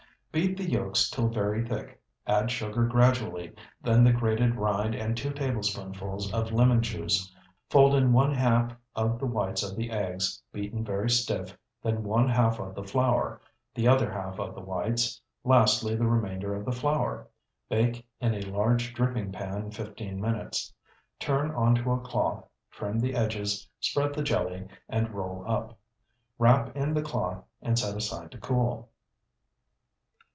Beat the yolks till very thick, add sugar gradually, then the grated rind and two tablespoonfuls of lemon juice. Fold in one half of the whites of the eggs, beaten very stiff, then one half of the flour, the other half of the whites, lastly the remainder of the flour. Bake in a large dripping pan fifteen minutes. Turn onto a cloth, trim the edges, spread the jelly, and roll up. Wrap in the cloth and set aside to cool.